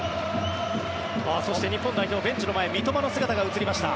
そして日本代表ベンチの前三笘の姿が映りました。